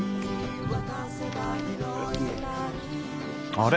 あれ？